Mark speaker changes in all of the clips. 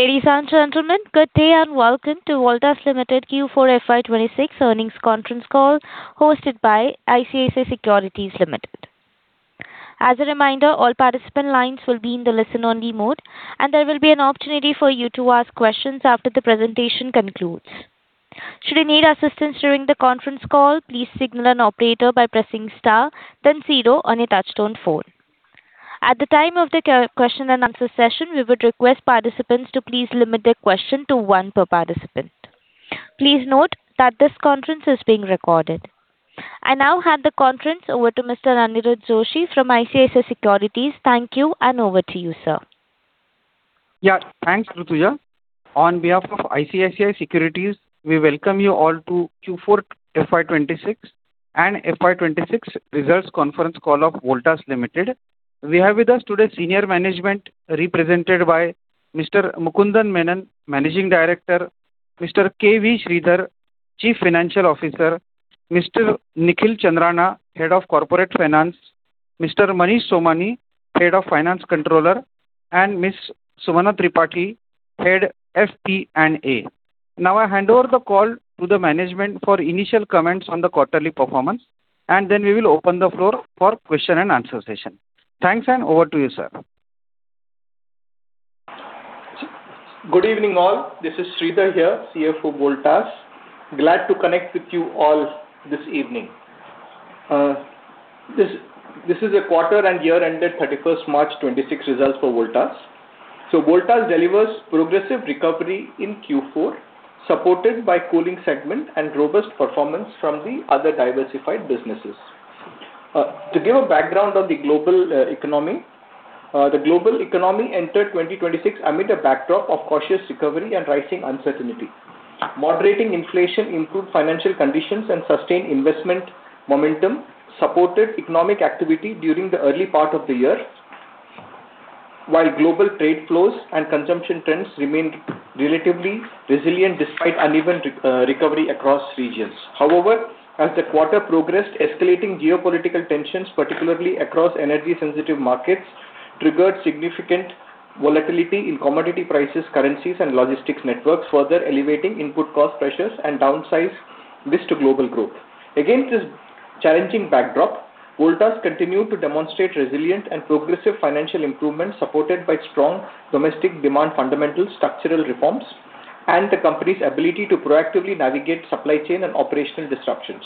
Speaker 1: Ladies and gentlemen, good day and welcome to Voltas Limited Q4 FY 2026 earnings conference call hosted by ICICI Securities Limited. As a reminder, all participant lines will be in the listen-only mode, and there will be an opportunity for you to ask questions after the presentation concludes. Should you need assistance during the conference call, please signal an operator by pressing star then zero on your Touch-Tone phone. At the time of the question and answer session, we would request participants to please limit their question to one per participant. Please note that this conference is being recorded. I now hand the conference over to Mr. Aniruddha Joshi from ICICI Securities. Thank you and over to you, sir.
Speaker 2: Yeah. Thanks, Rutuja. On behalf of ICICI Securities, we welcome you all to Q4 FY 2026 and FY 2026 results conference call of Voltas Limited. We have with us today senior management represented by Mr. Mukundan Menon, Managing Director, Mr. K.V. Sridhar, Chief Financial Officer, Mr. Nikhil Chandarana, Head of Corporate Finance, Mr. Manish Somani, Head of Finance Controller, and Ms. Sumana Tripathi, Head FP&A. Now, I hand over the call to the management for initial comments on the quarterly performance, and then we will open the floor for question and answer session. Thanks. Over to you, sir.
Speaker 3: Good evening all. This is Sridhar here, CFO Voltas. Glad to connect with you all this evening. This is a quarter and year-ended 31st March 2026 results for Voltas. Voltas delivers progressive recovery in Q4, supported by cooling segment and robust performance from the other diversified businesses. To give a background on the global economy. The global economy entered 2026 amid a backdrop of cautious recovery and rising uncertainty. Moderating inflation improved financial conditions and sustained investment momentum, supported economic activity during the early part of the year. While global trade flows and consumption trends remained relatively resilient despite uneven recovery across regions. However, as the quarter progressed, escalating geopolitical tensions, particularly across energy sensitive markets, triggered significant volatility in commodity prices, currencies and logistics networks, further elevating input cost pressures and downsized risk to global growth. Against this challenging backdrop, Voltas continued to demonstrate resilient and progressive financial improvements supported by strong domestic demand fundamentals, structural reforms, and the company's ability to proactively navigate supply chain and operational disruptions.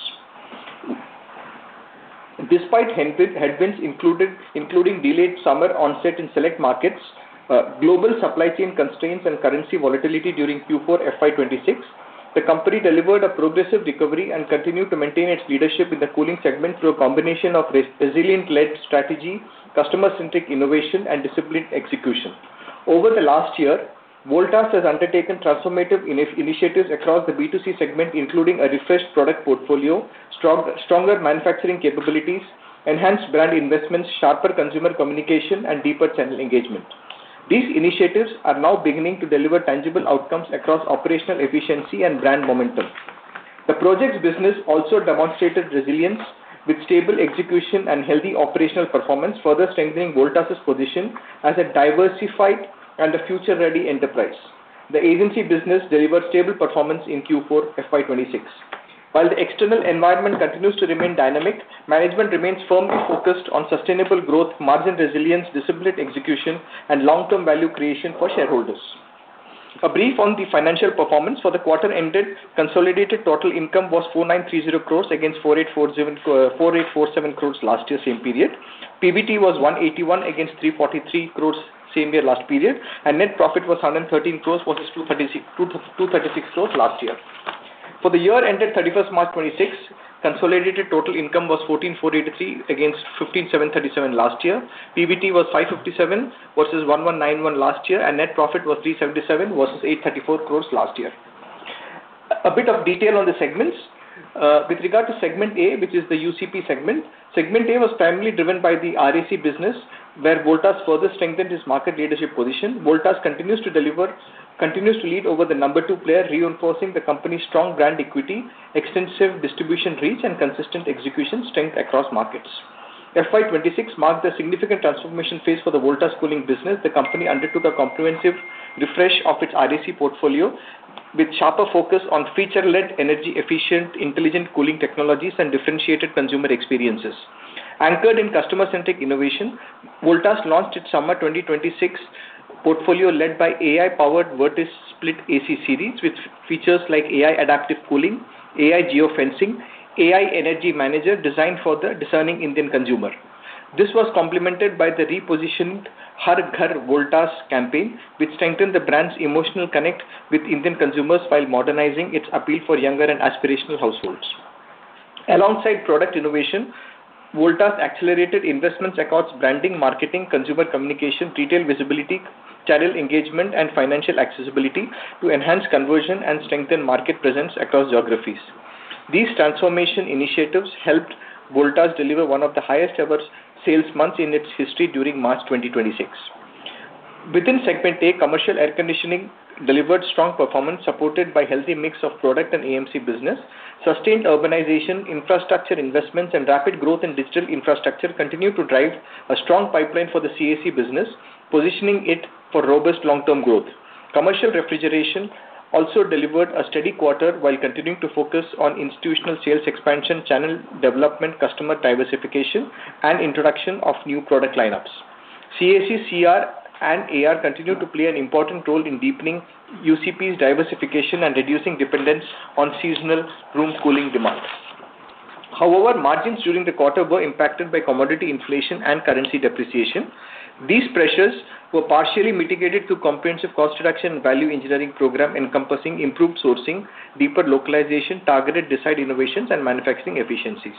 Speaker 3: Despite headwinds, including delayed summer onset in select markets, global supply chain constraints and currency volatility during Q4 FY 2026, the company delivered a progressive recovery and continued to maintain its leadership in the cooling segment through a combination of resilient-led strategy, customer-centric innovation and disciplined execution. Over the last year, Voltas has undertaken transformative initiatives across the B2C segment, including a refreshed product portfolio, stronger manufacturing capabilities, enhanced brand investments, sharper consumer communication and deeper channel engagement. These initiatives are now beginning to deliver tangible outcomes across operational efficiency and brand momentum. The projects business also demonstrated resilience with stable execution and healthy operational performance, further strengthening Voltas' position as a diversified and a future-ready enterprise. The agency business delivered stable performance in Q4 FY 2026. The external environment continues to remain dynamic, management remains firmly focused on sustainable growth, margin resilience, disciplined execution and long-term value creation for shareholders. A brief on the financial performance for the quarter ended consolidated total income was 4,930 crores against 4,847 crores last year same period. PBT was 181 against 343 crores same year last period, and net profit was 113 crores versus 236 crores last year. For the year ended 31st March 2026, consolidated total income was 14,483 against 15,737 last year. PBT was 557 versus 1,191 last year. Net profit was 377 versus 834 crores last year. A bit of detail on the segments. With regard to segment A, which is the UCP segment. Segment A was primarily driven by the RAC business, where Voltas further strengthened its market leadership position. Voltas continues to lead over the number two player, reinforcing the company's strong brand equity, extensive distribution reach and consistent execution strength across markets. FY 2026 marked a significant transformation phase for the Voltas cooling business. The company undertook a comprehensive refresh of its RAC portfolio with sharper focus on feature-led energy efficient, intelligent cooling technologies and differentiated consumer experiences. Anchored in customer-centric innovation, Voltas launched its summer 2026 portfolio led by AI-powered Vertis split AC series with features like AI adaptive cooling, AI geo-fencing, AI energy manager designed for the discerning Indian consumer. This was complemented by the repositioned Har Ghar Voltas campaign, which strengthened the brand's emotional connect with Indian consumers while modernizing its appeal for younger and aspirational households. Alongside product innovation, Voltas accelerated investments across branding, marketing, consumer communication, retail visibility, channel engagement and financial accessibility to enhance conversion and strengthen market presence across geographies. These transformation initiatives helped Voltas deliver one of the highest ever sales months in its history during March 2026. Within segment A, commercial air conditioning delivered strong performance supported by healthy mix of product and AMC business. Sustained urbanization, infrastructure investments and rapid growth in digital infrastructure continue to drive a strong pipeline for the CAC business, positioning it for robust long-term growth. Commercial refrigeration also delivered a steady quarter while continuing to focus on institutional sales expansion, channel development, customer diversification, and introduction of new product lineups. CAC, CR, and AR continue to play an important role in deepening UCP's diversification and reducing dependence on seasonal room cooling demands. Margins during the quarter were impacted by commodity inflation and currency depreciation. These pressures were partially mitigated through comprehensive cost reduction and value engineering program encompassing improved sourcing, deeper localization, targeted design innovations, and manufacturing efficiencies.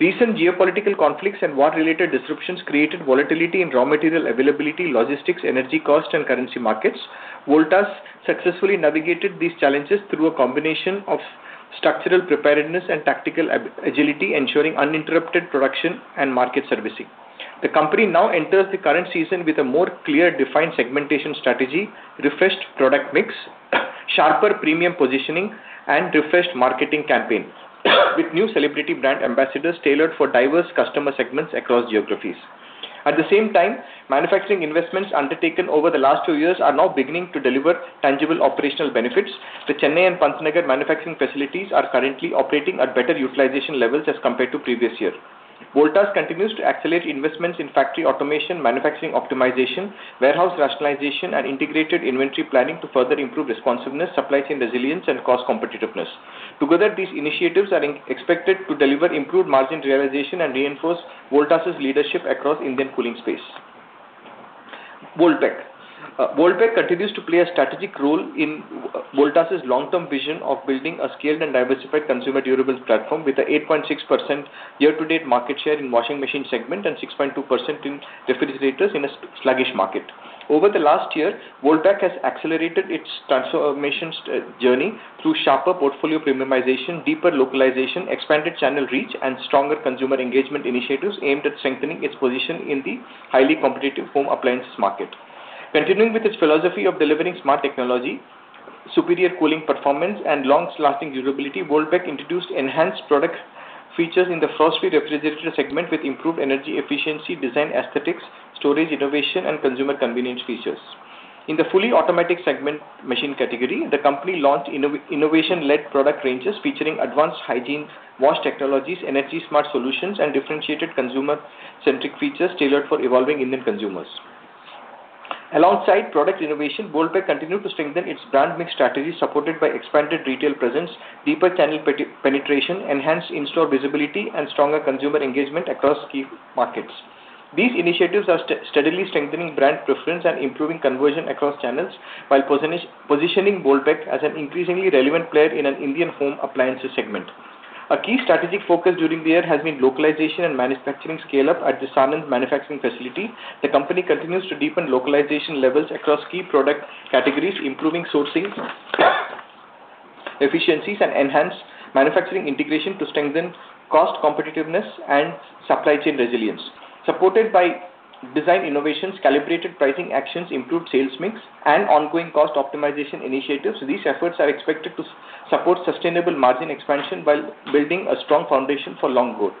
Speaker 3: Recent geopolitical conflicts and war-related disruptions created volatility in raw material availability, logistics, energy cost, and currency markets. Voltas successfully navigated these challenges through a combination of structural preparedness and tactical agility, ensuring uninterrupted production and market servicing. The company now enters the current season with a more clear defined segmentation strategy, refreshed product mix, sharper premium positioning, and refreshed marketing campaign with new celebrity brand ambassadors tailored for diverse customer segments across geographies. At the same time, manufacturing investments undertaken over the last two years are now beginning to deliver tangible operational benefits. The Chennai and Pantnagar manufacturing facilities are currently operating at better utilization levels as compared to previous year. Voltas continues to accelerate investments in factory automation, manufacturing optimization, warehouse rationalization, and integrated inventory planning to further improve responsiveness, supply chain resilience, and cost competitiveness. Together, these initiatives are expected to deliver improved margin realization and reinforce Voltas' leadership across Indian cooling space. Voltas. Voltas continues to play a strategic role in Voltas' long-term vision of building a scaled and diversified consumer durables platform with a 8.6% year-to-date market share in washing machine segment and 6.2% in refrigerators in a sluggish market. Over the last year, Voltas has accelerated its transformations journey through sharper portfolio premiumization, deeper localization, expanded channel reach, and stronger consumer engagement initiatives aimed at strengthening its position in the highly competitive home appliances market. Continuing with its philosophy of delivering smart technology, superior cooling performance, and long-lasting durability, Voltas introduced enhanced product features in the frost-free refrigerator segment with improved energy efficiency, design aesthetics, storage innovation, and consumer convenience features. In the fully automatic segment machine category, the company launched innovation-led product ranges featuring advanced hygiene wash technologies, energy-smart solutions, and differentiated consumer-centric features tailored for evolving Indian consumers. Alongside product innovation, Voltas continued to strengthen its brand mix strategy supported by expanded retail presence, deeper channel penetration, enhanced in-store visibility, and stronger consumer engagement across key markets. These initiatives are steadily strengthening brand preference and improving conversion across channels while positioning Voltas as an increasingly relevant player in an Indian home appliances segment. A key strategic focus during the year has been localization and manufacturing scale-up at the Sanand manufacturing facility. The company continues to deepen localization levels across key product categories, improving sourcing efficiencies, and enhance manufacturing integration to strengthen cost competitiveness and supply chain resilience. Supported by design innovations, calibrated pricing actions include sales mix, and ongoing cost optimization initiatives. These efforts are expected to support sustainable margin expansion while building a strong foundation for long growth.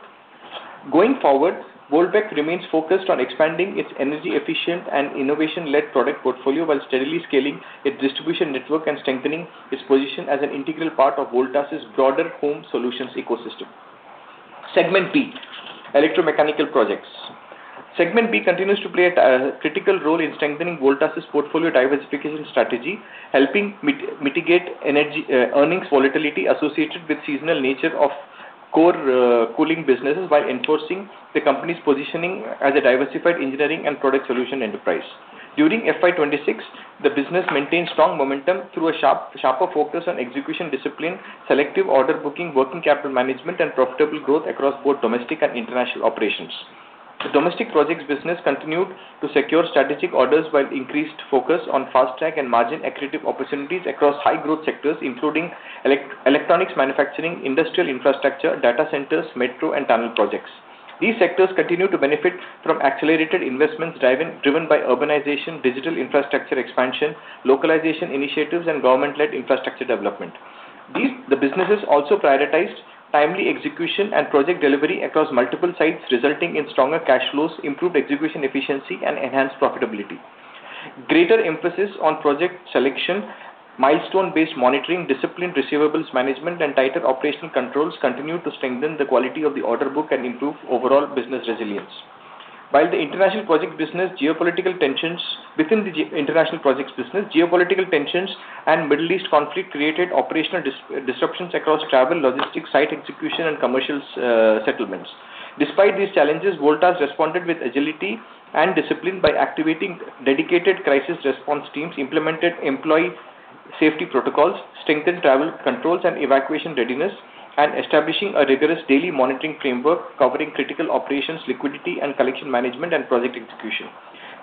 Speaker 3: Going forward, Voltas remains focused on expanding its energy efficient and innovation-led product portfolio while steadily scaling its distribution network and strengthening its position as an integral part of Voltas' broader home solutions ecosystem. Segment B: Electromechanical Projects. Segment B continues to play a critical role in strengthening Voltas' portfolio diversification strategy, helping mitigate earnings volatility associated with seasonal nature of core cooling businesses by enforcing the company's positioning as a diversified engineering and product solution enterprise. During FY 2026, the business maintained strong momentum through a sharper focus on execution discipline, selective order booking, working capital management, and profitable growth across both domestic and international operations. The domestic projects business continued to secure strategic orders while increased focus on fast-track and margin-accretive opportunities across high-growth sectors, including electronics manufacturing, industrial infrastructure, data centers, metro, and tunnel projects. These sectors continue to benefit from accelerated investments driven by urbanization, digital infrastructure expansion, localization initiatives, and government-led infrastructure development. The businesses also prioritized timely execution and project delivery across multiple sites, resulting in stronger cash flows, improved execution efficiency, and enhanced profitability. Greater emphasis on project selection, milestone-based monitoring, disciplined receivables management, and tighter operational controls continue to strengthen the quality of the order book and improve overall business resilience. Within the international projects business, geopolitical tensions and Middle East conflict created operational disruptions across travel, logistics, site execution, and commercial settlements. Despite these challenges, Voltas responded with agility and discipline by activating dedicated crisis response teams, implemented employee safety protocols, strengthened travel controls and evacuation readiness, and establishing a rigorous daily monitoring framework covering critical operations, liquidity, and collection management, and project execution.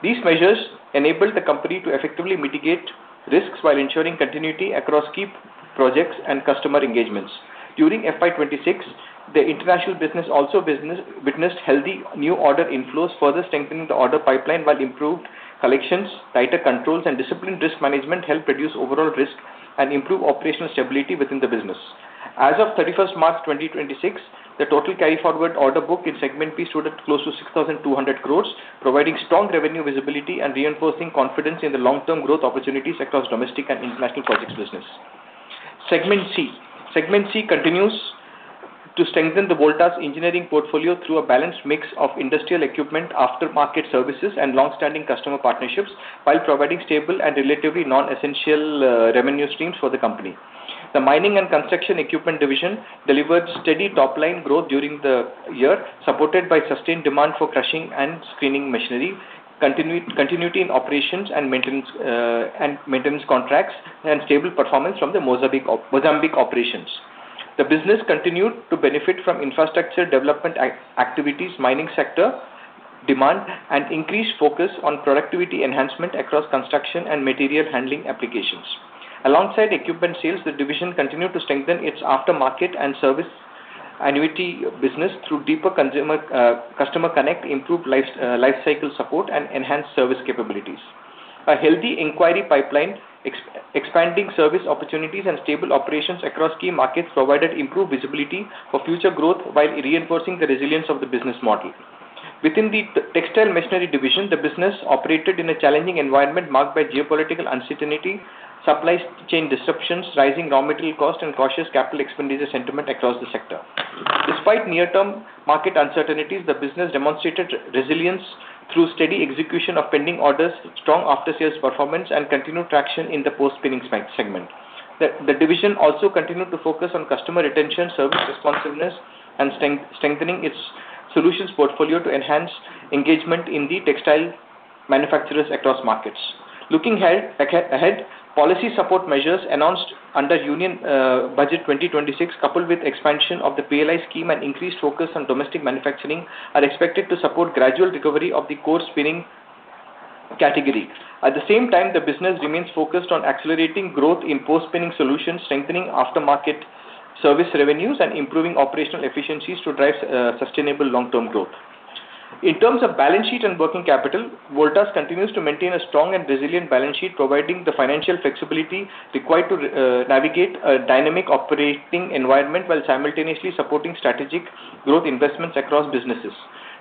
Speaker 3: These measures enabled the company to effectively mitigate risks while ensuring continuity across key projects and customer engagements. During FY 2026, the international business also witnessed healthy new order inflows, further strengthening the order pipeline while improved collections, tighter controls, and disciplined risk management helped reduce overall risk and improve operational stability within the business. As of 31st March 2026, the total carry-forward order book in Segment B stood at close to 6,200 crores, providing strong revenue visibility and reinforcing confidence in the long-term growth opportunities across domestic and international projects business. Segment C continues to strengthen the Voltas engineering portfolio through a balanced mix of industrial equipment, aftermarket services, and long-standing customer partnerships while providing stable and relatively non-essential revenue streams for the company. The mining and construction equipment division delivered steady top-line growth during the year, supported by sustained demand for crushing and screening machinery, continuity in operations and maintenance, and maintenance contracts, and stable performance from the Mozambique operations. The business continued to benefit from infrastructure development activities, mining sector demand, and increased focus on productivity enhancement across construction and material handling applications. Alongside equipment sales, the division continued to strengthen its aftermarket and service annuity business through deeper customer connect, improved lifecycle support, and enhanced service capabilities. A healthy inquiry pipeline, expanding service opportunities and stable operations across key markets provided improved visibility for future growth while reinforcing the resilience of the business model. Within the textile machinery division, the business operated in a challenging environment marked by geopolitical uncertainty, supply chain disruptions, rising raw material cost, and cautious capital expenditure sentiment across the sector. Despite near-term market uncertainties, the business demonstrated resilience through steady execution of pending orders, strong after-sales performance, and continued traction in the post spinning segment. The division also continued to focus on customer retention, service responsiveness, and strengthening its solutions portfolio to enhance engagement in the textile manufacturers across markets. Looking ahead, policy support measures announced under Union Budget 2026, coupled with expansion of the PLI scheme and increased focus on domestic manufacturing, are expected to support gradual recovery of the core spinning category. At the same time, the business remains focused on accelerating growth in post spinning solutions, strengthening aftermarket service revenues, and improving operational efficiencies to drive sustainable long-term growth. In terms of balance sheet and working capital, Voltas continues to maintain a strong and resilient balance sheet, providing the financial flexibility required to navigate a dynamic operating environment while simultaneously supporting strategic growth investments across businesses.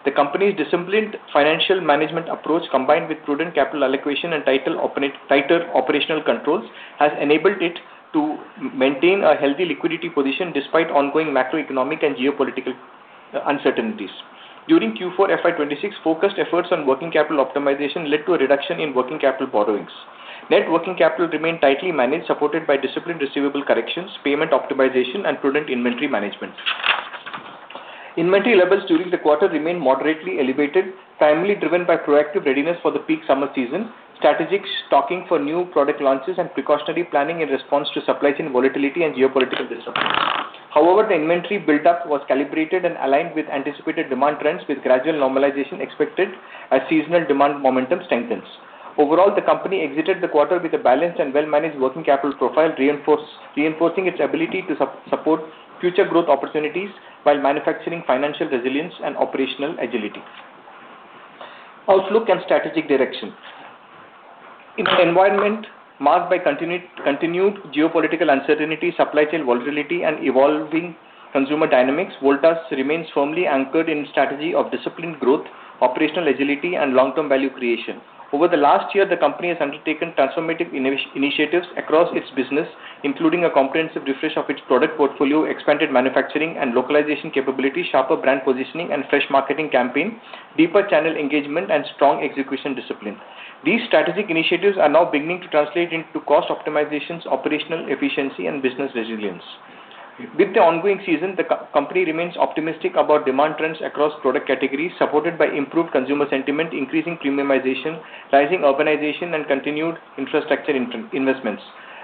Speaker 3: The company's disciplined financial management approach, combined with prudent capital allocation and tighter operational controls, has enabled it to maintain a healthy liquidity position despite ongoing macroeconomic and geopolitical uncertainties. During Q4 FY 2026, focused efforts on working capital optimization led to a reduction in working capital borrowings. Net working capital remained tightly managed, supported by disciplined receivable collections, payment optimization, and prudent inventory management. Inventory levels during the quarter remained moderately elevated, primarily driven by proactive readiness for the peak summer season, strategic stocking for new product launches, and precautionary planning in response to supply chain volatility and geopolitical disruption. The inventory buildup was calibrated and aligned with anticipated demand trends with gradual normalization expected as seasonal demand momentum strengthens. The company exited the quarter with a balanced and well-managed working capital profile, reinforcing its ability to support future growth opportunities while manufacturing financial resilience and operational agility. Outlook and strategic direction. An environment marked by continued geopolitical uncertainty, supply chain volatility, and evolving consumer dynamics, Voltas remains firmly anchored in strategy of disciplined growth, operational agility, and long-term value creation. Over the last year, the company has undertaken transformative initiatives across its business, including a comprehensive refresh of its product portfolio, expanded manufacturing and localization capabilities, sharper brand positioning and fresh marketing campaign, deeper channel engagement, and strong execution discipline. These strategic initiatives are now beginning to translate into cost optimizations, operational efficiency, and business resilience. With the ongoing season, the company remains optimistic about demand trends across product categories, supported by improved consumer sentiment, increasing premiumization, rising urbanization, and continued infrastructure investments.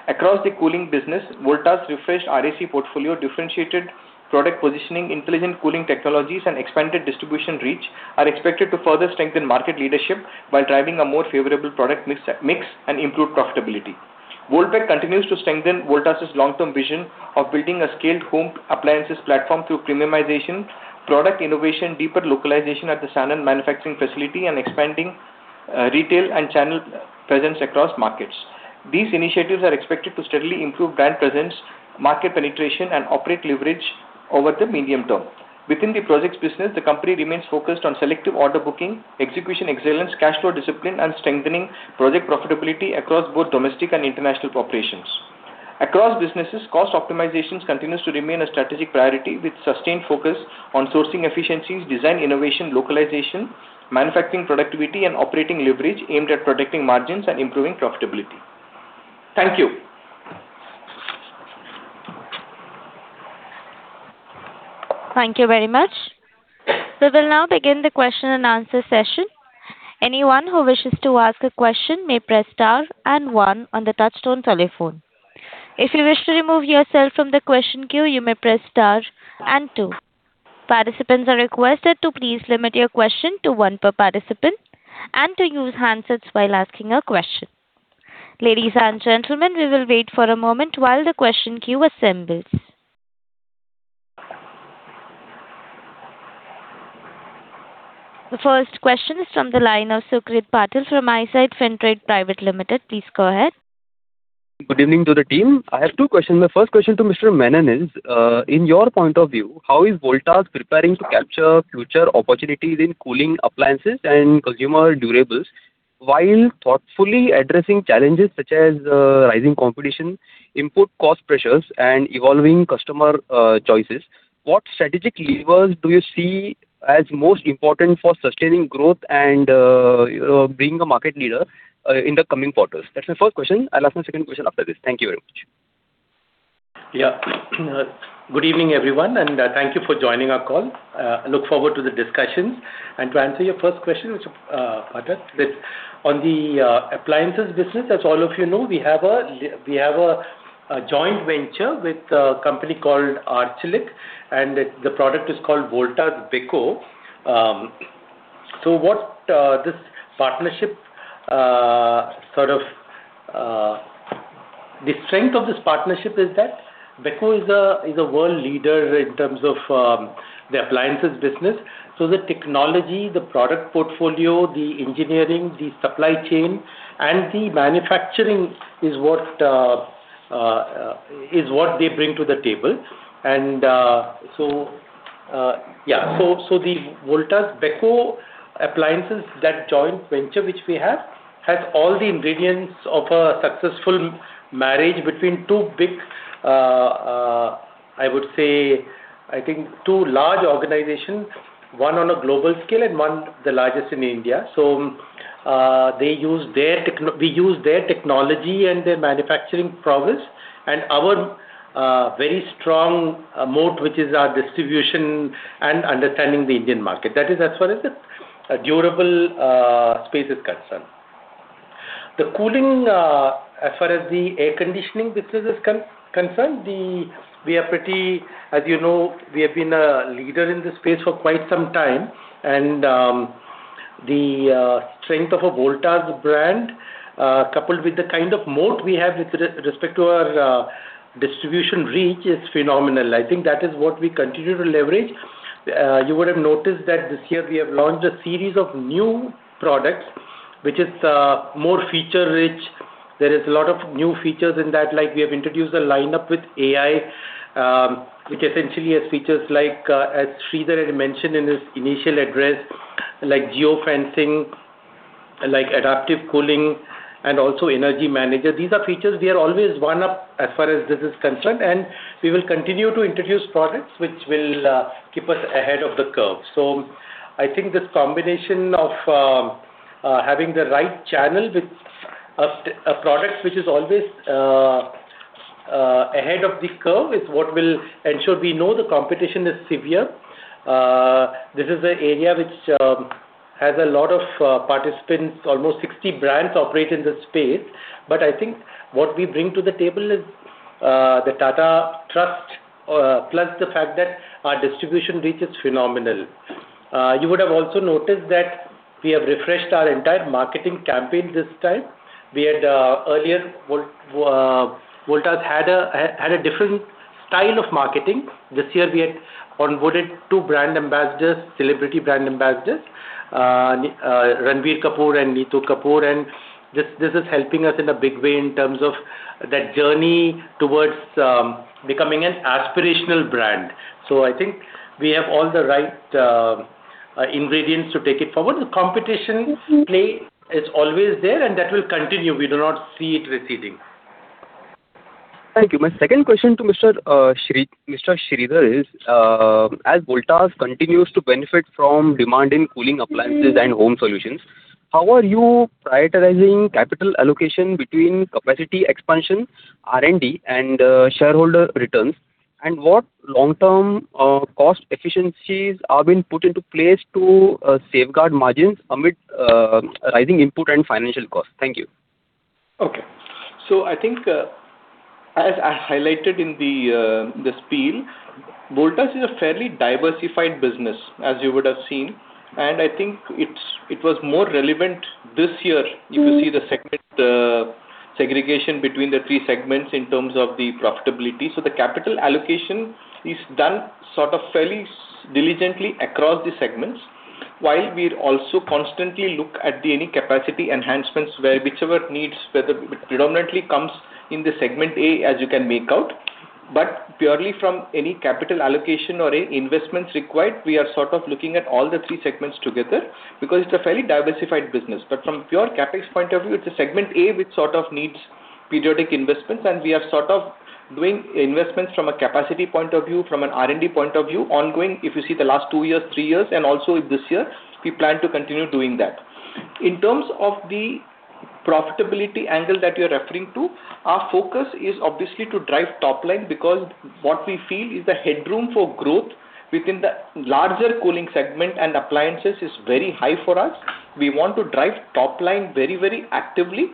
Speaker 3: Across the cooling business, Voltas refreshed RAC portfolio, differentiated product positioning, intelligent cooling technologies, and expanded distribution reach are expected to further strengthen market leadership while driving a more favorable product mix and improved profitability. Voltas continues to strengthen Voltas' long-term vision of building a scaled home appliances platform through premiumization, product innovation, deeper localization at the Sanand manufacturing facility, and expanding retail and channel presence across markets. These initiatives are expected to steadily improve brand presence, market penetration, and operate leverage over the medium term. Within the projects business, the company remains focused on selective order booking, execution excellence, cash flow discipline, and strengthening project profitability across both domestic and international operations. Across businesses, cost optimizations continues to remain a strategic priority with sustained focus on sourcing efficiencies, design innovation, localization, manufacturing productivity, and operating leverage aimed at protecting margins and improving profitability. Thank you.
Speaker 1: Thank you very much. We will now begin the question and answer session. Anyone who wishes to ask a question may press star and one on the Touch-Tone telephone. If you wish to remove yourself from the question queue, you may press star and two. Participants are requested to please limit your question to one per participant and to use handsets while asking a question. Ladies and gentlemen, we will wait for a moment while the question queue assembles. The first question is from the line of Sucrit Patil from Eyesight Fintrade Private Limited. Please go ahead.
Speaker 4: Good evening to the team. I have two questions. My first question to Mr. Menon is, in your point of view, how is Voltas preparing to capture future opportunities in cooling appliances and consumer durables while thoughtfully addressing challenges such as rising competition, input cost pressures, and evolving customer choices? What strategic levers do you see as most important for sustaining growth and being a market leader in the coming quarters? That's my first question. I'll ask my second question after this. Thank you very much.
Speaker 5: Good evening, everyone, and thank you for joining our call. Look forward to the discussions. To answer your first question, which Patil, on the appliances business, as all of you know, we have a joint venture with a company called Arçelik, and the product is called Voltas Beko. What this partnership The strength of this partnership is that Beko is a world leader in terms of the appliances business. The technology, the product portfolio, the engineering, the supply chain, and the manufacturing is what is what they bring to the table. The Voltas Beko appliances, that joint venture which we have, has all the ingredients of a successful marriage between two big, I would say, I think two large organizations, one on a global scale and one the largest in India. They use their technology and their manufacturing prowess and our very strong moat, which is our distribution and understanding the Indian market. That is as far as the durable space is concerned. The cooling as far as the air conditioning business is concerned, we are pretty, as you know, we have been a leader in this space for quite some time. The strength of a Voltas brand coupled with the kind of moat we have with respect to our distribution reach is phenomenal. I think that is what we continue to leverage. You would have noticed that this year we have launched a series of new products, which is more feature-rich. There is a lot of new features in that. We have introduced a lineup with AI, which essentially has features like as Sridhar had mentioned in his initial address, like geo-fencing, like adaptive cooling and also energy manager. These are features we are always one-up as far as this is concerned, and we will continue to introduce products which will keep us ahead of the curve. I think this combination of having the right channel with a product which is always ahead of the curve is what will ensure. We know the competition is severe. This is a area which has a lot of participants. Almost 60 brands operate in this space. I think what we bring to the table is the Tata trust, plus the fact that our distribution reach is phenomenal. You would have also noticed that we have refreshed our entire marketing campaign this time. We had earlier, Voltas had a different style of marketing. This year we had onboarded two brand ambassadors, celebrity brand ambassadors, Ranbir Kapoor and Neetu Kapoor, and this is helping us in a big way in terms of that journey towards becoming an aspirational brand. I think we have all the right ingredients to take it forward. The competition play is always there, and that will continue. We do not see it receding.
Speaker 4: Thank you. My second question to Mr. Sridhar is, as Voltas continues to benefit from demand in cooling appliances and home solutions, how are you prioritizing capital allocation between capacity expansion, R&D and shareholder returns? What long-term cost efficiencies are being put into place to safeguard margins amid rising input and financial costs? Thank you.
Speaker 3: Okay. I think, as I highlighted in the spiel, Voltas is a fairly diversified business, as you would have seen. I think it was more relevant this year. You could see the segment segregation between the three segments in terms of the profitability. The capital allocation is done sort of fairly diligently across the segments, while we'd also constantly look at any capacity enhancements where whichever needs, whether it predominantly comes in the segment A, as you can make out. Purely from any capital allocation or any investments required, we are sort of looking at all the three segments together because it's a fairly diversified business. From pure CapEx point of view, it's a segment A which sort of needs periodic investments, and we are sort of doing investments from a capacity point of view, from an R&D point of view, ongoing. If you see the last two years, three years, and also this year, we plan to continue doing that. In terms of the profitability angle that you're referring to, our focus is obviously to drive top line, because what we feel is the headroom for growth within the larger cooling segment and appliances is very high for us. We want to drive top line very, very actively.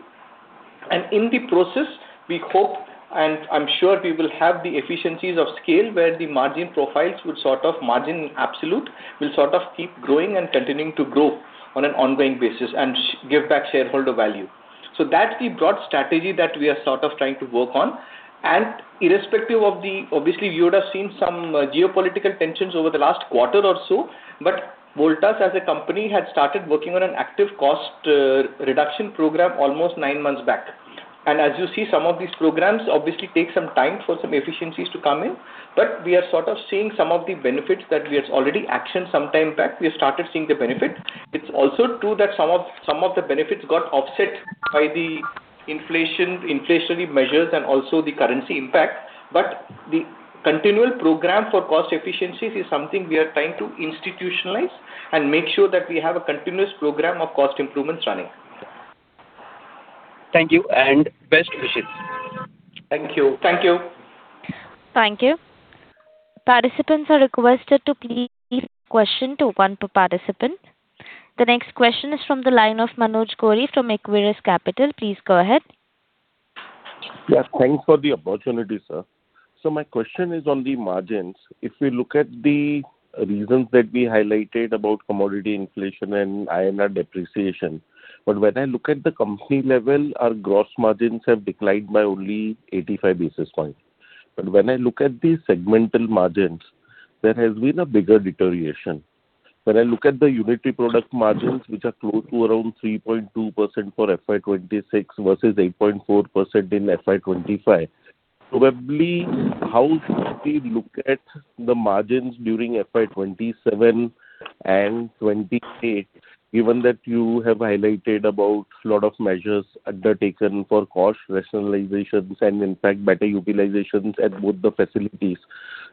Speaker 3: In the process, we hope, and I'm sure we will have the efficiencies of scale, where the margin profiles would sort of margin absolute, will sort of keep growing and continuing to grow on an ongoing basis and give back shareholder value. That's the broad strategy that we are sort of trying to work on. Irrespective of the Obviously, you would have seen some geopolitical tensions over the last quarter or so, but Voltas as a company had started working on an active cost reduction program almost nine months back. As you see, some of these programs obviously take some time for some efficiencies to come in, but we are sort of seeing some of the benefits that we had already actioned some time back. We have started seeing the benefit. It is also true that some of the benefits got offset by the inflation, inflationary measures and also the currency impact. The continual program for cost efficiencies is something we are trying to institutionalize and make sure that we have a continuous program of cost improvements running.
Speaker 4: Thank you, and best wishes.
Speaker 5: Thank you.
Speaker 3: Thank you.
Speaker 1: Thank you. Participants are requested to please question to one per participant. The next question is from the line of Manoj Gori from Equirus Securities. Please go ahead.
Speaker 6: Yeah, thanks for the opportunity, sir. My question is on the margins. If we look at the reasons that we highlighted about commodity inflation and INR depreciation, when I look at the company level, our gross margins have declined by only 85 basis points. When I look at the segmental margins, there has been a bigger deterioration. When I look at the unitary product margins, which are close to around 3.2% for FY 2026 versus 8.4% in FY 2025, probably how should we look at the margins during FY 2027 and 2028, given that you have highlighted about a lot of measures undertaken for cost rationalizations and in fact better utilizations at both the facilities.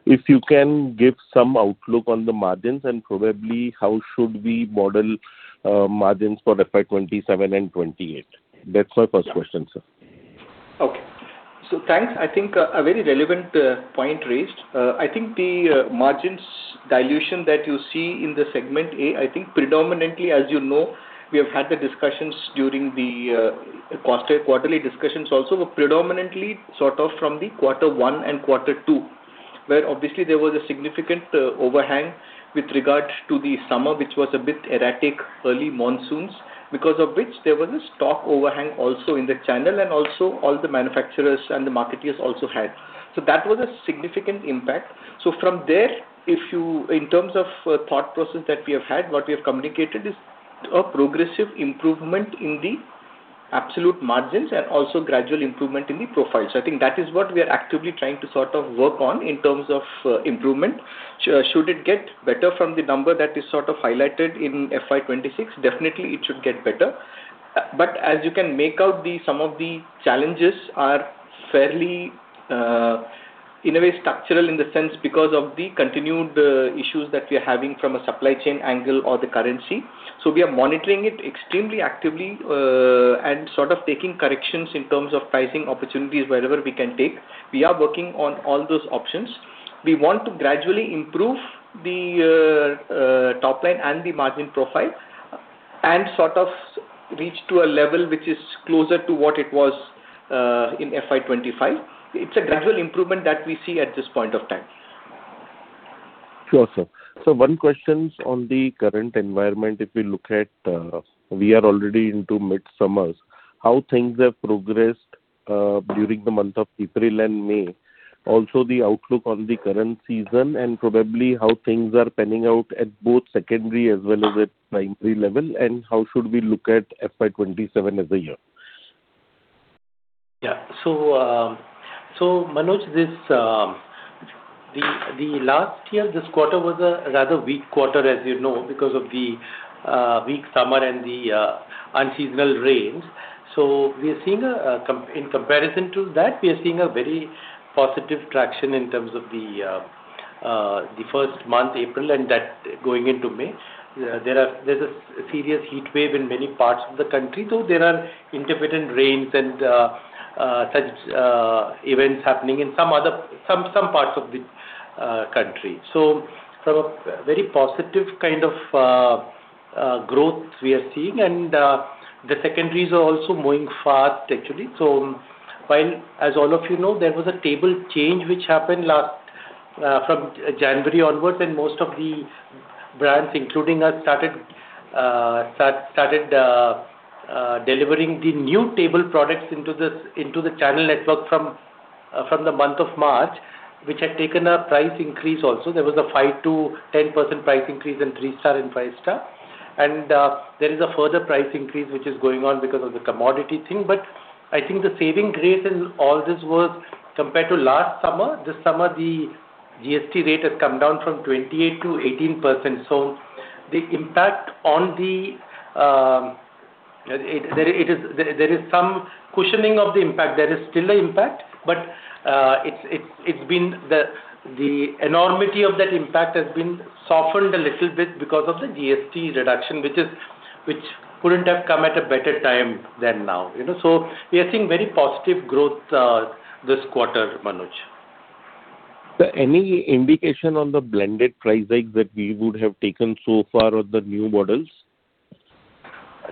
Speaker 6: If you can give some outlook on the margins and probably how should we model margins for FY 2027 and 2028. That's my first question, sir.
Speaker 3: Okay. Thanks. I think a very relevant point raised. I think the margins dilution that you see in the segment A, I think predominantly, as you know, we have had the discussions during the quarter, quarterly discussions also, were predominantly sort of from the quarter one and quarter two, where obviously there was a significant overhang with regard to the summer, which was a bit erratic early monsoons, because of which there was a stock overhang also in the channel and also all the manufacturers and the marketers also had. That was a significant impact. From there, if you in terms of thought process that we have had, what we have communicated is a progressive improvement in the absolute margins and also gradual improvement in the profile. I think that is what we are actively trying to sort of work on in terms of improvement. Should it get better from the number that is sort of highlighted in FY26? Definitely, it should get better. But as you can make out, the some of the challenges are fairly in a way structural in the sense because of the continued issues that we are having from a supply chain angle or the currency. We are monitoring it extremely actively and sort of taking corrections in terms of pricing opportunities wherever we can take. We are working on all those options. We want to gradually improve the top line and the margin profile and sort of reach to a level which is closer to what it was in FY25. It's a gradual improvement that we see at this point of time.
Speaker 6: Sure, sir. One question on the current environment. If we look at, we are already into mid-summers, how things have progressed during the month of April and May. Also the outlook on the current season and probably how things are panning out at both secondary as well as at primary level, and how should we look at FY27 as a year?
Speaker 5: Yeah. Manoj, this last year, this quarter was a rather weak quarter, as you know, because of the weak summer and the unseasonal rains. In comparison to that, we are seeing a very positive traction in terms of the first month, April, and that going into May. There's a serious heat wave in many parts of the country, though there are intermittent rains and such events happening in some other, some parts of the country. From a very positive kind of growth we are seeing and the secondaries are also moving fast actually. While, as all of you know, there was a table change which happened last from January onwards, and most of the brands, including us, started delivering the new table products into the channel network from the month of March, which had taken a price increase also. There was a 5% to 10% price increase in three-star and five-star. There is a further price increase which is going on because of the commodity thing. I think the saving grace in all this was compared to last summer, this summer the GST rate has come down from 28% to 18%. The impact on the, there is some cushioning of the impact. There is still a impact, but, it's been the enormity of that impact has been softened a little bit because of the GST reduction, which is, which couldn't have come at a better time than now, you know. We are seeing very positive growth, this quarter, Manoj.
Speaker 6: Sir, any indication on the blended price hike that we would have taken so far on the new models?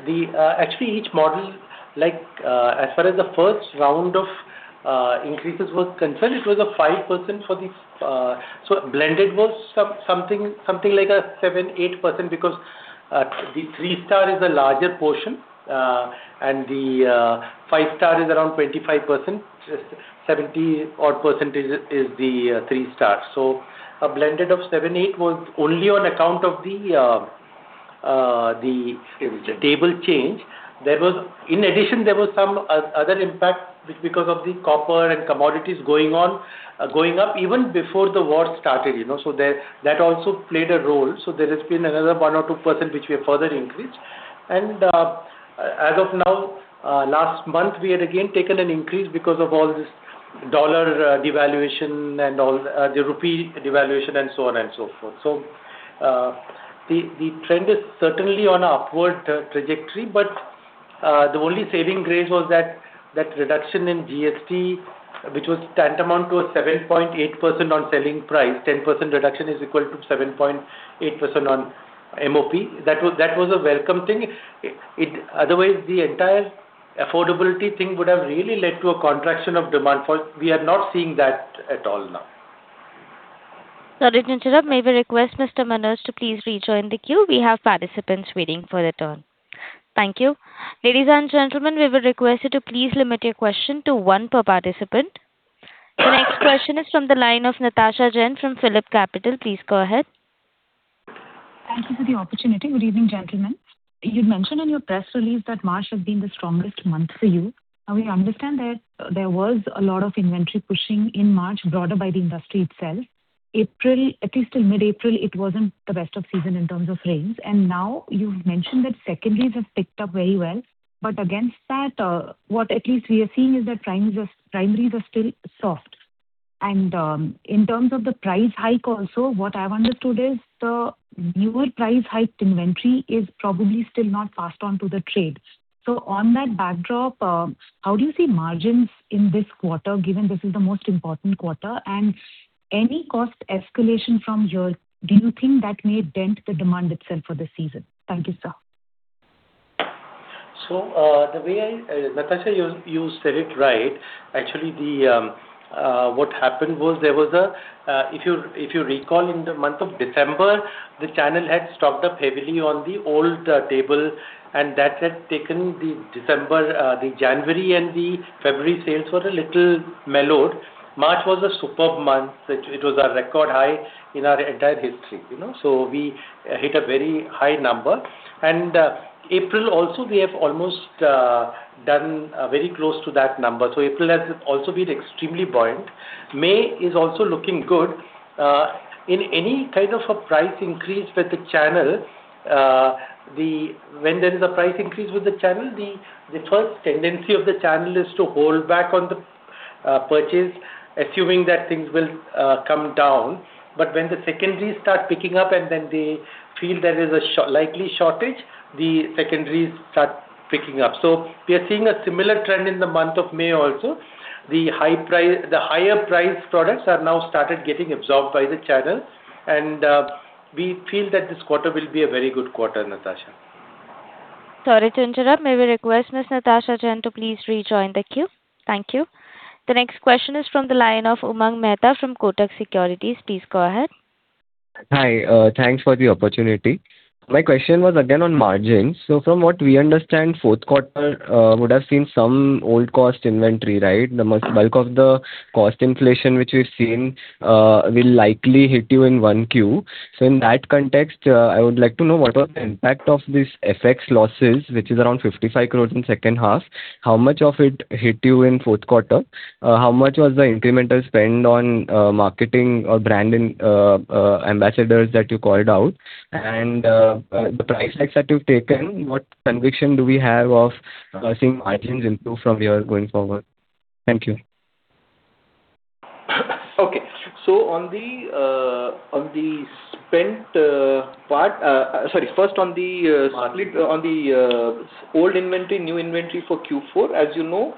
Speaker 5: The, actually each model, like, as far as the first round of increases were concerned, it was a 5% for the. Blended was something like 7%, 8% because the three-star is a larger portion, and the five -star is around 25%. 70 odd percentage is the three-star. A blended of 7%, 8% was only on account of the table change. In addition, there was some other impact because of the copper and commodities going on, going up even before the war started, you know. That also played a role. There has been another 1% or 2% which we have further increased. As of now, last month we had again taken an increase because of all this dollar devaluation and all, the rupee devaluation and so on and so forth. The trend is certainly on a upward trajectory, but the only saving grace was that reduction in GST, which was tantamount to a 7.8% on selling price. 10% reduction is equal to 7.8% on MOP. That was a welcome thing. Otherwise, the entire affordability thing would have really led to a contraction of demand for. We are not seeing that at all now.
Speaker 1: Sorry to interrupt. May we request Mr. Manoj to please rejoin the queue. We have participants waiting for their turn. Thank you. Ladies and gentlemen, we will request you to please limit your question to one per participant. The next question is from the line of Natasha Jain from PhillipCapital. Please go ahead.
Speaker 7: Thank you for the opportunity. Good evening, gentlemen. You mentioned in your press release that March has been the strongest month for you. We understand that there was a lot of inventory pushing in March brought up by the industry itself. April, at least till mid-April, it wasn't the best of season in terms of rains. Now you've mentioned that secondaries have picked up very well. Against that, what at least we are seeing is that primaries are still soft. In terms of the price hike also, what I've understood is the newer price hiked inventory is probably still not passed on to the trade. On that backdrop, how do you see margins in this quarter, given this is the most important quarter? Any cost escalation from here, do you think that may dent the demand itself for this season? Thank you, sir.
Speaker 5: Natasha, you said it right. What happened was there was a. If you recall, in the month of December, the channel had stocked up heavily on the old table, and that had taken the December, the January and the February sales were a little mellowed. March was a superb month. It was a record high in our entire history, you know. We hit a very high number. April also, we have almost done very close to that number. April has also been extremely buoyant. May is also looking good. In any kind of a price increase with the channel, when there is a price increase with the channel, the first tendency of the channel is to hold back on the purchase, assuming that things will come down. When the secondaries start picking up and then they feel there is a likely shortage, the secondaries start picking up. We are seeing a similar trend in the month of May also. The higher priced products are now started getting absorbed by the channel. We feel that this quarter will be a very good quarter, Natasha.
Speaker 1: Sorry to interrupt. May we request Ms. Natasha Jain to please rejoin the queue. Thank you. The next question is from the line of Umang Mehta from Kotak Securities. Please go ahead.
Speaker 8: Hi. Thanks for the opportunity. My question was again on margins. From what we understand, fourth quarter would have seen some old cost inventory, right? The bulk of the cost inflation which we've seen will likely hit you in Q1. In that context, I would like to know what was the impact of these FX losses, which is around 55 crore in second half. How much of it hit you in fourth quarter? How much was the incremental spend on marketing or branding ambassadors that you called out? The price hikes that you've taken, what conviction do we have of seeing margins improve from here going forward? Thank you.
Speaker 3: Okay. On the spent part. Sorry, first on the split, on the old inventory, new inventory for Q4, as you know,